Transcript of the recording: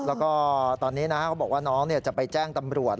แล้วก็ตอนนี้เขาบอกว่าน้องจะไปแจ้งตำรวจ